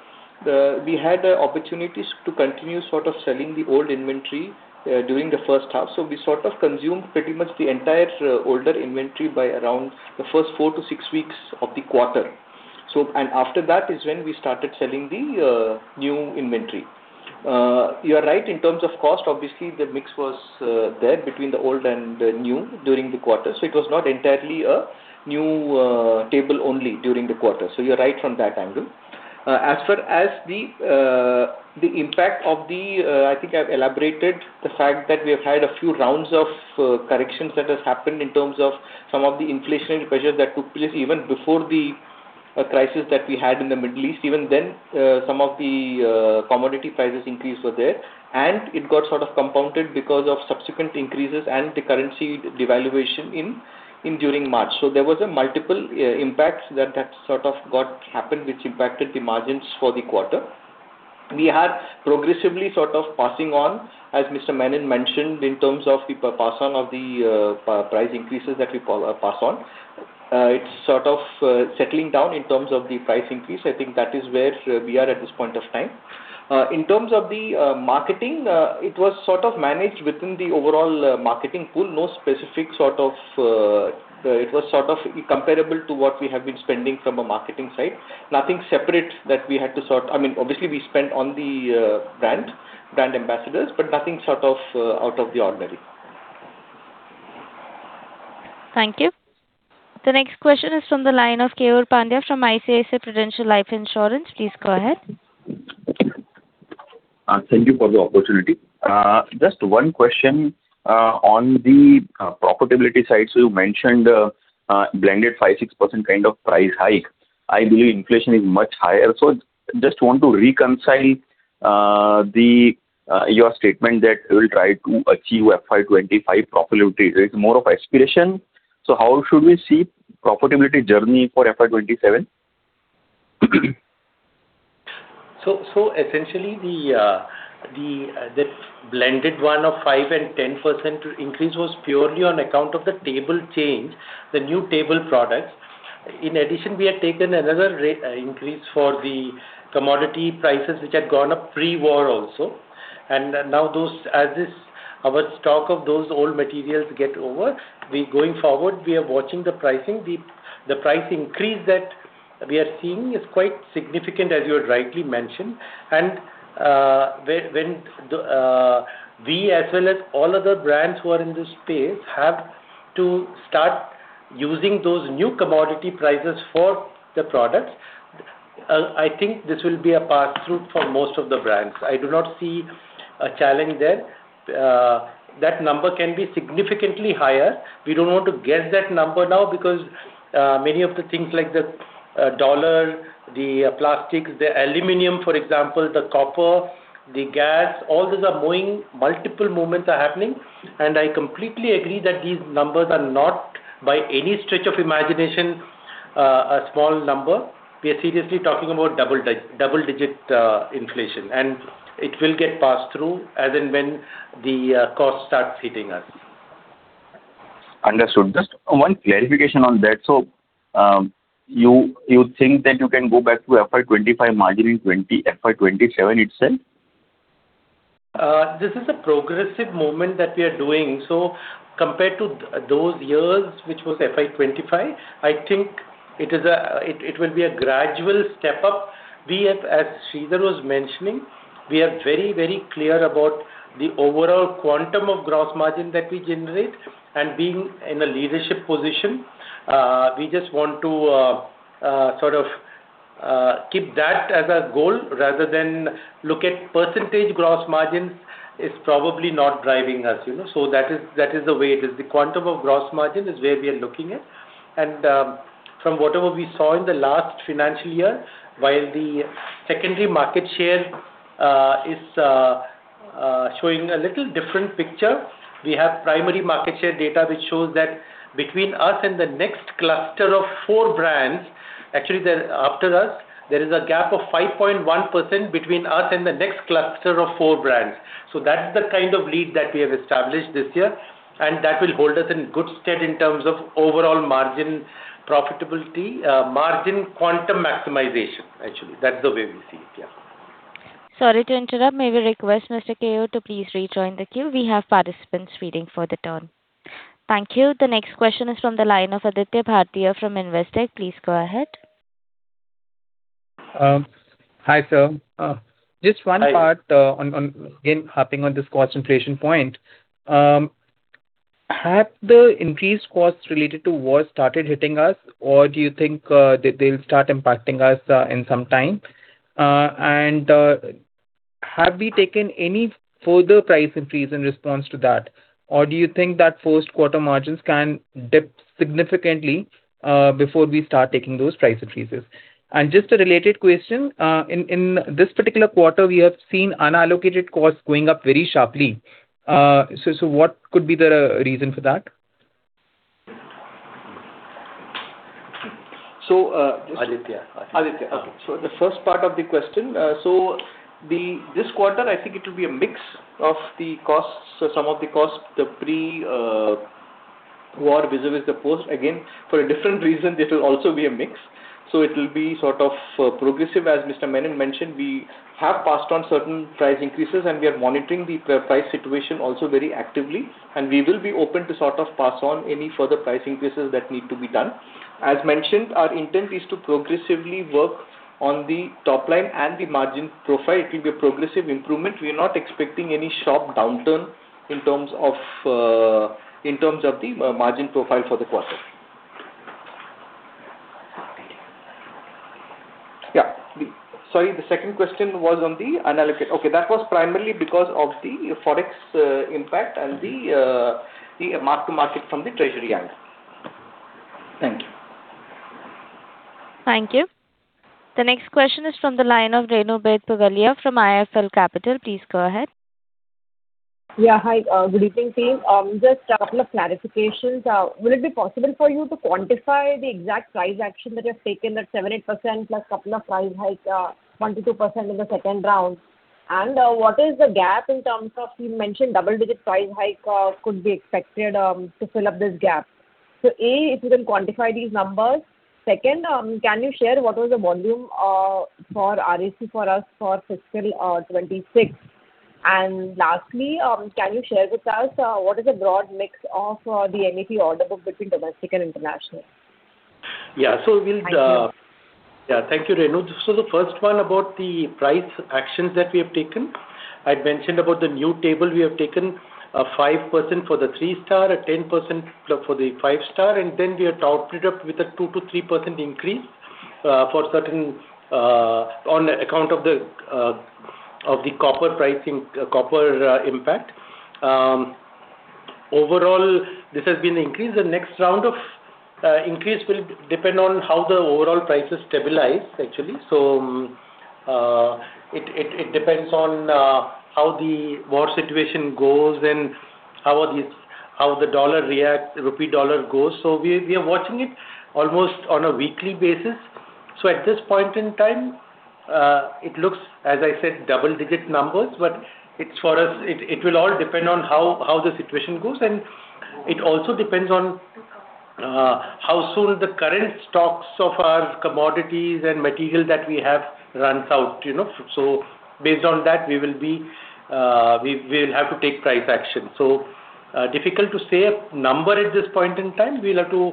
Speaker 3: we had opportunities to continue sort of selling the old inventory during the first half. We sort of consumed pretty much the entire older inventory by around the first four to six weeks of the quarter. After that is when we started selling the new inventory. You are right in terms of cost. Obviously, the mix was there between the old and the new during the quarter. It was not entirely a new total only during the quarter. You're right from that angle. As for as the impact of the, I think I've elaborated the fact that we have had a few rounds of corrections that has happened in terms of some of the inflationary pressures that took place even before the crisis that we had in the Middle East. Even then, some of the commodity prices increase were there, and it got sort of compounded because of subsequent increases and the currency devaluation in during March. There was a multiple impacts that sort of got happened, which impacted the margins for the quarter. We are progressively sort of passing on, as Mr. Menon mentioned, in terms of the pass on of the price increases that we pass on. It's sort of settling down in terms of the price increase. I think that is where we are at this point of time. In terms of the marketing, it was sort of managed within the overall marketing pool. No specific sort of, it was sort of comparable to what we have been spending from a marketing side. Nothing separate that we had to I mean, obviously, we spent on the brand ambassadors, but nothing sort of, out of the ordinary.
Speaker 1: Thank you. The next question is from the line of Keyur Pandya from ICICI Prudential Life Insurance. Please go ahead.
Speaker 9: Thank you for the opportunity. Just one question. On the profitability side, you mentioned blended 5-6% kind of price hike. I believe inflation is much higher. Just want to reconcile the your statement that you will try to achieve FY 2025 profitability. There is more of aspiration. How should we see profitability journey for FY 2027?
Speaker 5: Essentially the blended one of 5% and 10% increase was purely on account of the table change, the new table products. In addition, we had taken another rate increase for the commodity prices which had gone up pre-war also. Now those, as is our stock of those old materials get over, we're going forward, we are watching the pricing. The price increase that we are seeing is quite significant, as you rightly mentioned. When the we as well as all other brands who are in this space have to start using those new commodity prices for the products, I think this will be a pass-through for most of the brands. I do not see a challenge there. That number can be significantly higher. We don't want to guess that number now because many of the things like the dollar, the plastics, the aluminum, for example, the copper, the gas, all these are moving. Multiple movements are happening. I completely agree that these numbers are not, by any stretch of imagination, a small number. We are seriously talking about double-digit inflation, and it will get passed through as and when the cost starts hitting us.
Speaker 9: Understood. Just one clarification on that. You think that you can go back to FY 2025 margin in FY 2027 itself?
Speaker 5: This is a progressive movement that we are doing. Compared to those years, which was FY 2025, I think it will be a gradual step up. We have, as Sridhar was mentioning, we are very, very clear about the overall quantum of gross margin that we generate. Being in a leadership position, we just want to sort of keep that as a goal rather than look at percentage gross margins is probably not driving us, you know. That is the way it is. The quantum of gross margin is where we are looking at. From whatever we saw in the last financial year, while the secondary market share is showing a little different picture, we have primary market share data which shows that between us and the next cluster of four brands, actually they're after us, there is a gap of 5.1% between us and the next cluster of four brands. That's the kind of lead that we have established this year, and that will hold us in good stead in terms of overall margin profitability, margin quantum maximization, actually. That's the way we see it. Yeah.
Speaker 1: Sorry to interrupt. May we request Mr. Keyur to please rejoin the queue. We have participants waiting for the turn. Thank you. The next question is from the line of Aditya Bhartia from Investec. Please go ahead.
Speaker 10: Hi, sir.
Speaker 5: Hi.
Speaker 10: Just one part, on again harping on this cost inflation point. Have the increased costs related to war started hitting us, or do you think they'll start impacting us in some time? Have we taken any further price increase in response to that? Do you think that first quarter margins can dip significantly before we start taking those price increases? Just a related question. In this particular quarter, we have seen unallocated costs going up very sharply. What could be the reason for that?
Speaker 3: So, uh- Aditya. Aditya. Okay. The first part of the question. This quarter, I think it will be a mix of the costs. Some of the costs, the pre war vis-à-vis the post. Again, for a different reason, it will also be a mix. It will be sort of progressive. As Mr. Menon mentioned, we have passed on certain price increases, and we are monitoring the price situation also very actively. We will be open to sort of pass on any further price increases that need to be done. As mentioned, our intent is to progressively work on the top line and the margin profile. It will be a progressive improvement. We are not expecting any sharp downturn in terms of the margin profile for the quarter. Yeah. Sorry, the second question was on the unallocated. Okay, that was primarily because of the forex impact and the mark to market from the treasury angle.
Speaker 10: Thank you.
Speaker 1: Thank you. The next question is from the line of Renu Baid Pugalia from IIFL Capital. Please go ahead.
Speaker 11: Hi. Good evening team. Just a couple of clarifications. Will it be possible for you to quantify the exact price action that you have taken, that 7% to 8% plus couple of price hike, 1% to 2% in the second round? What is the gap in terms of you mentioned double-digit price hike, could be expected to fill up this gap? A, if you can quantify these numbers. Second, can you share what was the volume for RAC for us for fiscal 2026? Lastly, can you share with us what is the broad mix of the MEP order book between domestic and international?
Speaker 5: Yeah. we'll Thank you. Thank you, Renu. The first one about the price actions that we have taken, I'd mentioned about the new table we have taken, 5% for the three-star, 10% for the five-star, then we have topped it up with a 2% to 3% increase for certain on account of the copper pricing, copper impact. Overall, this has been increased. The next round of increase will depend on how the overall prices stabilize, actually. It depends on how the war situation goes and how the dollar reacts, the rupee dollar goes. We are watching it almost on a weekly basis. At this point in time, it looks, as I said, double-digit numbers, but it's for us, it will all depend on how the situation goes. It also depends on how soon the current stocks of our commodities and material that we have runs out, you know. Based on that, we'll have to take price action. Difficult to say a number at this point in time. We'll have to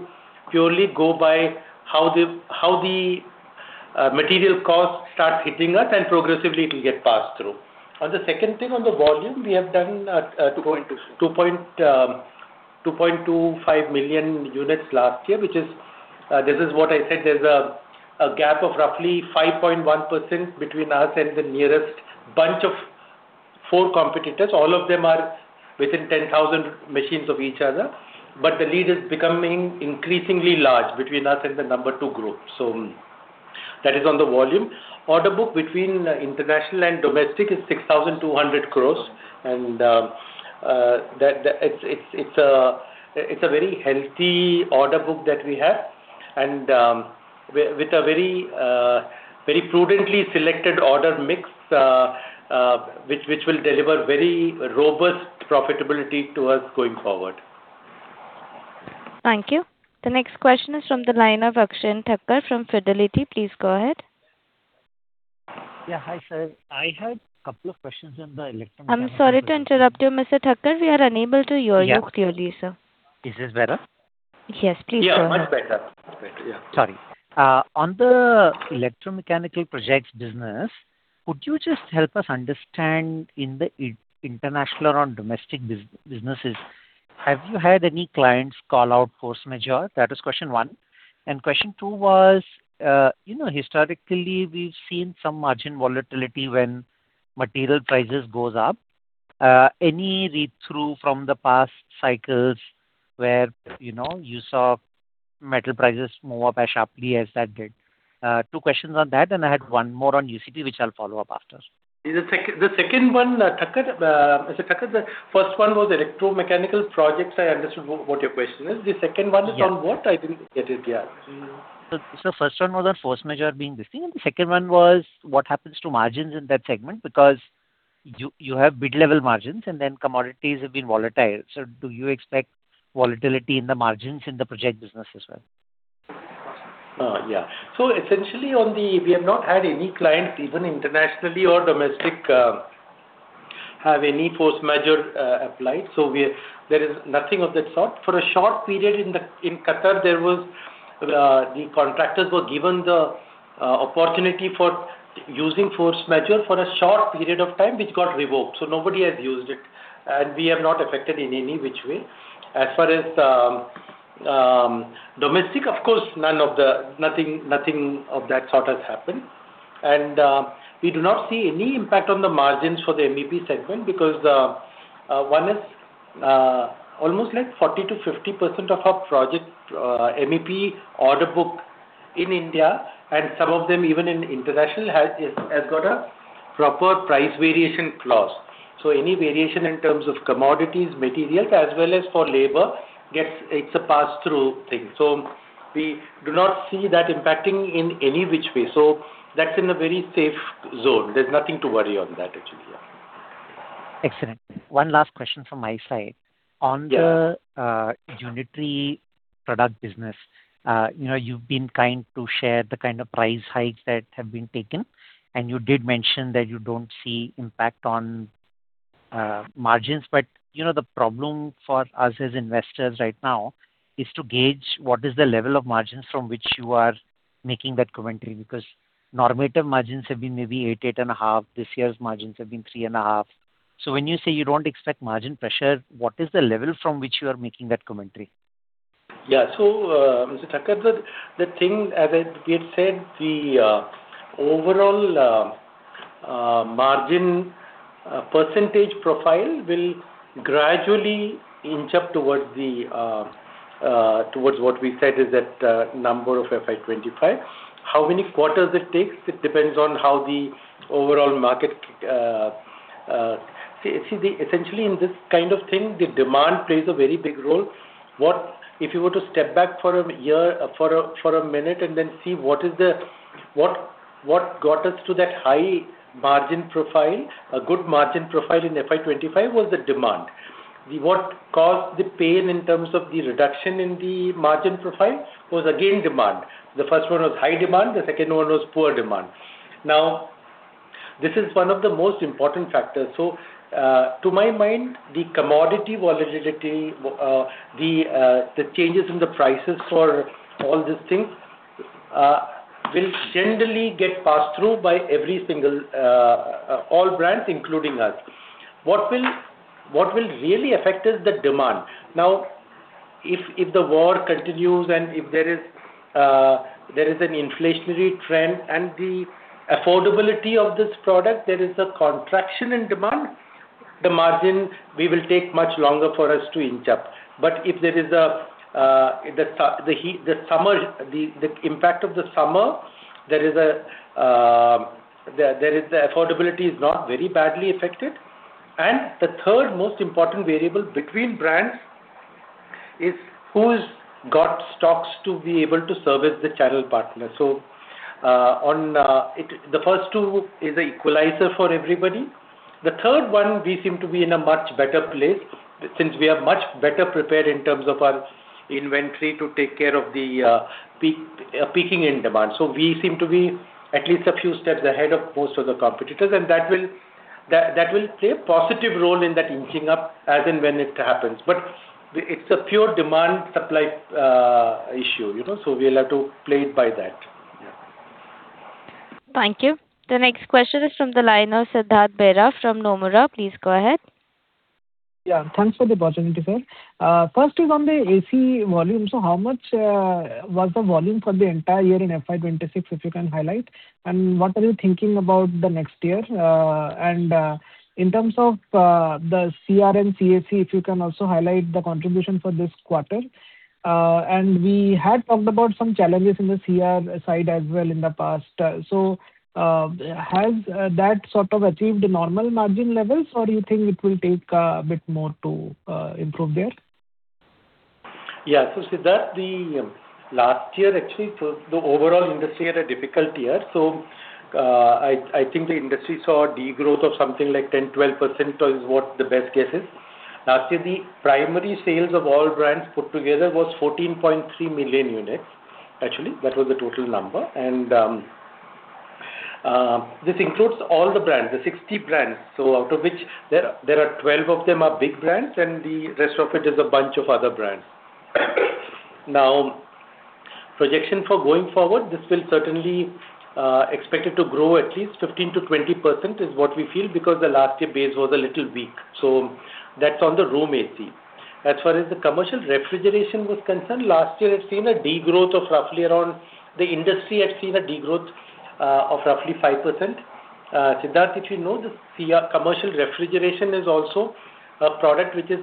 Speaker 5: purely go by how the material costs start hitting us, and progressively it'll get passed through. The second thing on the volume, we have done. 2.25 million units last year, which is, this is what I said, there's a gap of roughly 5.1% between us and the nearest bunch of four competitors. All of them are within 10,000 machines of each other, but the lead is becoming increasingly large between us and the number two group. That is on the volume. Order book between international and domestic is 6,200 crores. It's a very healthy order book that we have and with a very prudently selected order mix, which will deliver very robust profitability to us going forward.
Speaker 1: Thank you. The next question is from the line of Akshen Thakkar from Fidelity. Please go ahead.
Speaker 12: Yeah. Hi, sir. I had couple of questions on the electromechanical-
Speaker 1: I'm sorry to interrupt you, Mr. Thakkar. We are unable to hear you clearly, sir.
Speaker 12: Yeah. Is this better?
Speaker 3: Yes, please go ahead.
Speaker 5: Yeah. Much better. Yeah.
Speaker 12: Sorry. On the electromechanical projects business, could you just help us understand in the international or on domestic businesses, have you had any clients call out force majeure? That is question one. Question two was, you know, historically, we've seen some margin volatility when material prices goes up. Any read-through from the past cycles where, you know, you saw metal prices move up as sharply as that did? two questions on that, I had one more on UCP, which I'll follow up after.
Speaker 5: The second one, Thakkar, Mr. Thakkar, the first one was electromechanical projects. I understood what your question is. The second one is.
Speaker 12: Yeah
Speaker 5: on what? I didn't get it. Yeah
Speaker 12: First one was on force majeure being missing, and the second one was what happens to margins in that segment because you have bid-level margins, and then commodities have been volatile. Do you expect volatility in the margins in the project business as well?
Speaker 5: Yeah. Essentially, we have not had any client, even internationally or domestic, have any force majeure applied. There is nothing of that sort. For a short period in Qatar, there was the contractors were given the opportunity for using force majeure for a short period of time, which got revoked. Nobody has used it. We are not affected in any which way. As far as domestic, of course, nothing of that sort has happened. We do not see any impact on the margins for the MEP segment because one is almost like 40% to 50% of our project MEP order book in India, and some of them even in international has got a proper price variation clause. Any variation in terms of commodities, materials, as well as for labor gets It's a pass-through thing. We do not see that impacting in any which way. That's in a very safe zone. There's nothing to worry on that, actually. Yeah.
Speaker 12: Excellent. One last question from my side.
Speaker 5: Yeah.
Speaker 12: On the unitary product business, you know, you've been kind to share the kind of price hikes that have been taken, and you did mention that you don't see impact on margins. You know, the problem for us as investors right now is to gauge what is the level of margins from which you are making that commentary because normative margins have been maybe 8%, 8.5%. This year's margins have been 3.5%. When you say you don't expect margin pressure, what is the level from which you are making that commentary?
Speaker 5: Mr. Thakkar, the thing, as I said, the overall margin percentage profile will gradually inch up towards what we said is that number of FY 2025. How many quarters it takes, it depends on how the overall market. Essentially, in this kind of thing, the demand plays a very big role. If you were to step back for a year, for a minute and then see what got us to that high margin profile, a good margin profile in FY 2025 was the demand. What caused the pain in terms of the reduction in the margin profile was again demand. The first one was high demand, the second one was poor demand. This is one of the most important factors. To my mind, the commodity volatility, the changes in the prices for all these things, will generally get passed through by every single, all brands, including us. What will really affect is the demand. Now, if the war continues and if there is an inflationary trend and the affordability of this product, there is a contraction in demand, the margin, we will take much longer for us to inch up. If there is the heat, the summer, the impact of the summer, there is the affordability is not very badly affected. The third most important variable between brands is who's got stocks to be able to service the channel partner. On, the first two is an equalizer for everybody. The third one, we seem to be in a much better place since we are much better prepared in terms of our inventory to take care of the peak, peaking in demand. We seem to be at least a few steps ahead of most of the competitors, and that will play a positive role in that inching up as and when it happens. It's a pure demand supply issue, you know, we'll have to play it by that. Yeah.
Speaker 1: Thank you. The next question is from the line of Siddharth Behera from Nomura. Please go ahead.
Speaker 13: Thanks for the opportunity, sir. First is on the AC volume. How much was the volume for the entire year in FY 2026, if you can highlight? What are you thinking about the next year? In terms of the CR and CAC, if you can also highlight the contribution for this quarter. We had talked about some challenges in the CR side as well in the past. Has that sort of achieved the normal margin levels, or you think it will take a bit more to improve there?
Speaker 5: Yeah. Siddharth, the last year actually for the overall industry had a difficult year. I think the industry saw a degrowth of something like 10% to 12% is what the best guess is. Last year, the primary sales of all brands put together was 14.3 million units. Actually, that was the total number. This includes all the brands, the 60 brands. Out of which there are 12 of them are big brands, and the rest of it is a bunch of other brands. Now, projection for going forward, this will certainly expected to grow at least 15% to 20% is what we feel because the last year base was a little weak. That's on the room AC. As far as the commercial refrigeration was concerned, the industry had seen a degrowth of roughly 5%. Siddharth, if you know, the CR, commercial refrigeration is also a product which is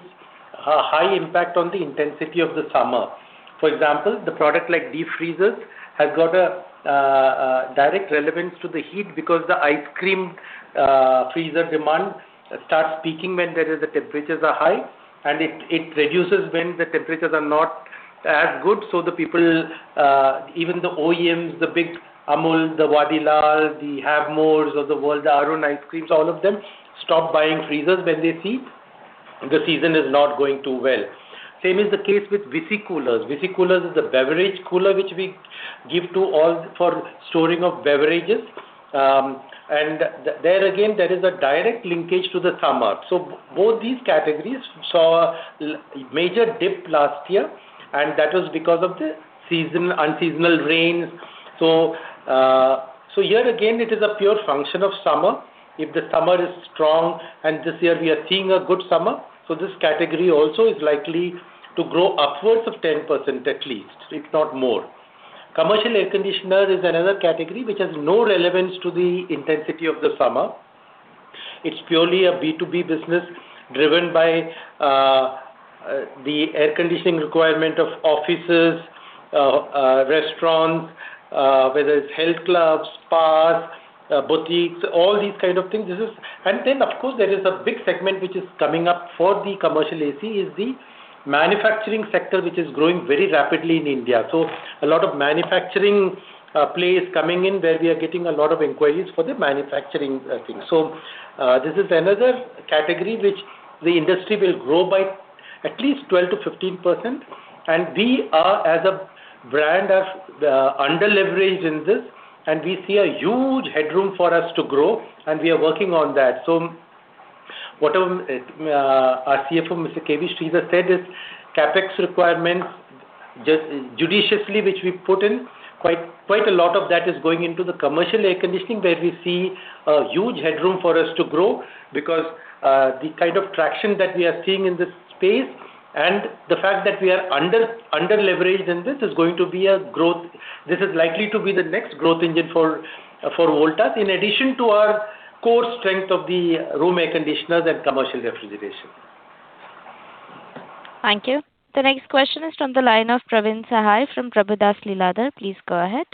Speaker 5: a high impact on the intensity of the summer. For example, the product like deep freezers has got a direct relevance to the heat because the ice cream freezer demand starts peaking when there is the temperatures are high, and it reduces when the temperatures are not as good. The people, even the OEMs, the big Amul, the Vadilal, the Havmor of the world, the Arun Ice Creams, all of them stop buying freezers when they see the season is not going too well. Same is the case with visi coolers. Visi coolers is a beverage cooler which we give to all for storing of beverages. There again, there is a direct linkage to the summer. Both these categories saw a major dip last year, and that was because of the season, unseasonal rains. Here again, it is a pure function of summer. If the summer is strong, and this year we are seeing a good summer, so this category also is likely to grow upwards of 10% at least, if not more. Commercial air conditioner is another category which has no relevance to the intensity of the summer. It's purely a B2B business driven by the air conditioning requirement of offices, restaurants, whether it's health clubs, spas, boutiques, all these kind of things. Of course, there is a big segment which is coming up for the commercial AC, is the manufacturing sector, which is growing very rapidly in India. A lot of manufacturing play is coming in where we are getting a lot of inquiries for the manufacturing, I think. This is another category which the industry will grow by at least 12% to 15%. We are, as a brand, are underleveraged in this, and we see a huge headroom for us to grow, and we are working on that. What our CFO, Mr. K.V. Sridhar said is, CapEx requirements judiciously, which we put in, quite a lot of that is going into the commercial air conditioning, where we see a huge headroom for us to grow because the kind of traction that we are seeing in this space and the fact that we are underleveraged in this is likely to be the next growth engine for Voltas, in addition to our core strength of the room air conditioners and commercial refrigeration.
Speaker 1: Thank you. The next question is from the line of Praveen Sahay from Prabhudas Lilladher. Please go ahead.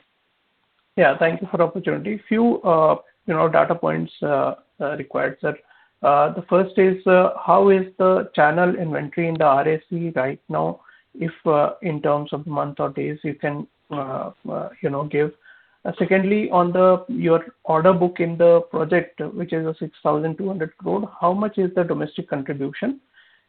Speaker 14: Yeah. Thank you for the opportunity. Few, you know, data points required, sir. The first is, how is the channel inventory in the RAC right now, if in terms of months or days you can, you know, give? Secondly, on the, your order book in the project, which is a 6,200 crore, how much is the domestic contribution?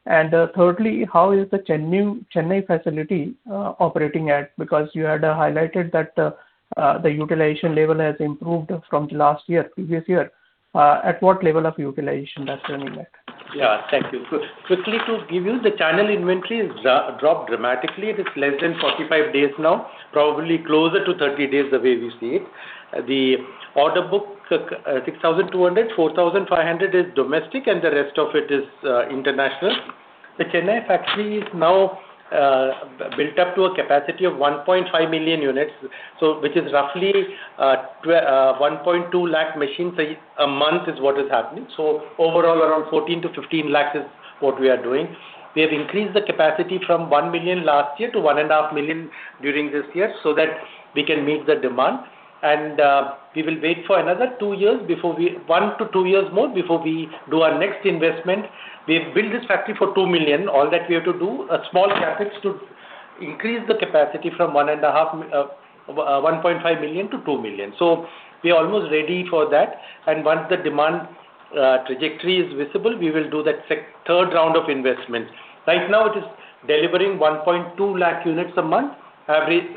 Speaker 14: Thirdly, how is the Chennai facility operating at? Because you had highlighted that the utilization level has improved from last year, previous year. At what level of utilization that's running at?
Speaker 3: Thank you. Quickly to give you, the channel inventory has dropped dramatically. It is less than 45 days now, probably closer to 30 days the way we see it. The order book, 6,200, 4,500 is domestic, and the rest of it is international. The Chennai factory is now built up to a capacity of 1.5 million units, which is roughly 1.2 lakh machines a month is what is happening. Overall, around 14 to 15 lakhs is what we are doing. We have increased the capacity from 1 million last year to 1.5 million during this year so that we can meet the demand. We will wait for another two years before one to two years more before we do our next investment. We've built this factory for 2 million. All that we have to do are small CapEx to increase the capacity from 1.5 million to 2 million. We are almost ready for that. Once the demand trajectory is visible, we will do that third round of investment. Right now, it is delivering 1.2 lakh units a month, average,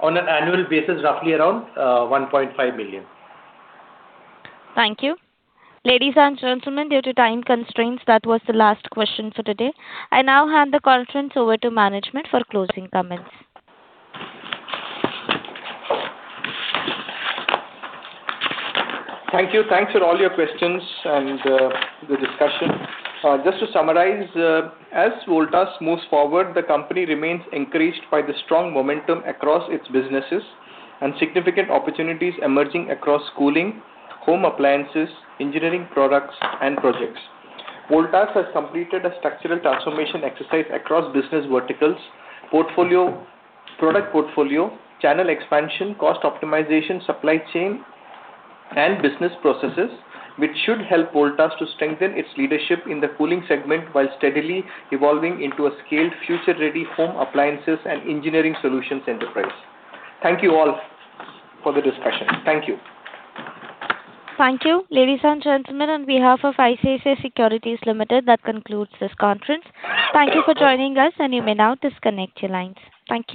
Speaker 3: on an annual basis, roughly around 1.5 million.
Speaker 1: Thank you. Ladies and gentlemen, due to time constraints, that was the last question for today. I now hand the conference over to management for closing comments.
Speaker 5: Thank you. Thanks for all your questions and the discussion. Just to summarize, as Voltas moves forward, the company remains encouraged by the strong momentum across its businesses and significant opportunities emerging across cooling, home appliances, engineering products, and projects. Voltas has completed a structural transformation exercise across business verticals, product portfolio, channel expansion, cost optimization, supply chain, and business processes, which should help Voltas to strengthen its leadership in the cooling segment while steadily evolving into a scaled future-ready home appliances and engineering solutions enterprise. Thank you all for the discussion. Thank you.
Speaker 1: Thank you. Ladies and gentlemen, on behalf of ICICI Securities Limited, that concludes this conference. Thank you for joining us, and you may now disconnect your lines. Thank you.